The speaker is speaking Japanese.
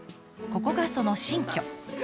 ここがその新居。